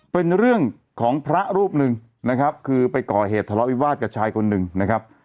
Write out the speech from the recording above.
เป็นเรื่องของพระรูปหนึ่งนะครับคือไปก่อเหตุทะเลาะวิวาสกับชายคนหนึ่งนะครับ